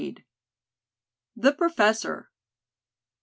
THE PROFESSOR.